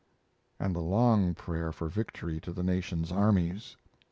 and the "long prayer" for victory to the nation's armies.